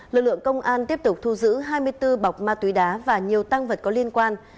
lực lượng công an tiếp tục thu giữ hai mươi bốn bọc ma túy đá và nhiều tăng vật có liên quan